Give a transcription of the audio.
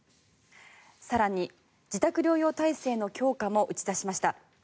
更に、自宅療養体制の強化も打ち出しました。